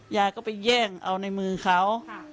ยายก็ไปแย่งเอาในมือเขา